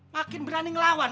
makin berani ngelawan